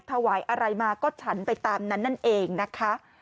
ถวายอะไรมาก็ฉันไปตามนั้นนั่นเองนะคะ